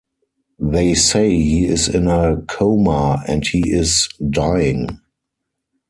They say he is in a coma, and he is dying.